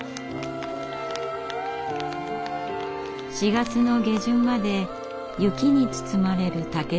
４月の下旬まで雪に包まれる竹所。